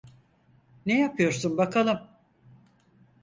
Ne yapıyorsun bakalım?